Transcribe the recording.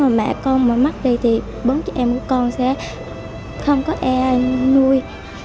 và nếu mà mẹ con mở mắt đi thì bốn chị em của con sẽ không có e nuôi